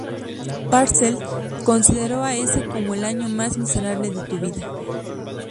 Parcells consideró a ese como el año más miserable de tu vida.